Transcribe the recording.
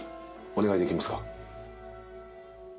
お願いできますか？